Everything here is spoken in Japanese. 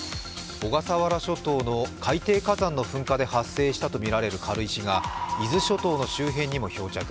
小笠原諸島の海底火山で発生したとみられる軽石が伊豆諸島の周辺にも漂着。